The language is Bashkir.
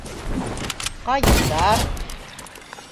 Ҡайындар.